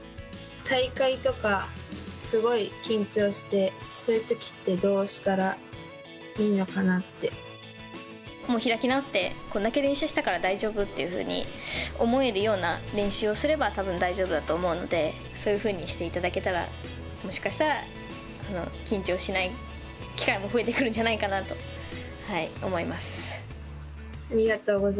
大会とかすごい緊張してそういうときって、どうしたら開き直ってこれだけ練習したから大丈夫というふうに思えるような練習をすれば多分大丈夫だと思うのでそういうふうにしていただけたらもしかしたら緊張しない機会も増えてくるんじゃないかなと思います。